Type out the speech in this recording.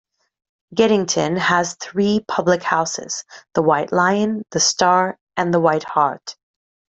Geddington has three public houses: The White Lion, The Star, and the White Hart.